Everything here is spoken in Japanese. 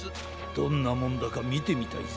どんなもんだかみてみたいぜ。